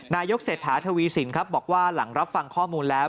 นายกเศรษฐาทวีสินครับบอกว่าหลังรับฟังข้อมูลแล้ว